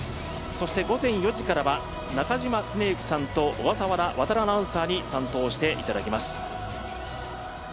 そして午前４時からは中嶋常幸さんと小笠原亘アナウンサーに担当していただきます。